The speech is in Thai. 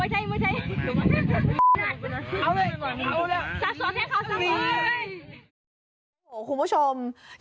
ซับสองไม่ใช่